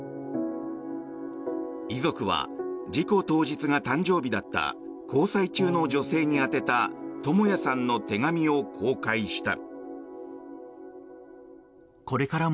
遺族は、事故当日が誕生日だった交際中の女性に宛てた智也さんの手紙を公開した。